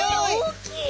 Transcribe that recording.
大きい！